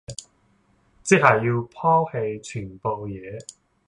即係要拋棄全部嘢